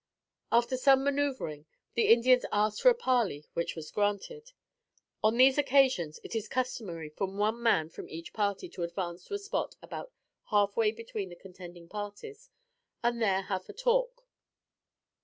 After some manoeuvering, the Indians asked for a parley which was granted. On these occasions, it is customary for one man from each party to advance to a spot about halfway between the contending parties and there have a talk.